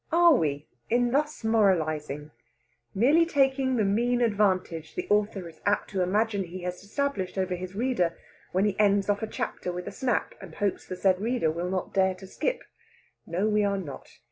Are we, in thus moralising, merely taking the mean advantage the author is apt to imagine he has established over his reader when he ends off a chapter with a snap, and hopes the said reader will not dare to skip? No, we are not.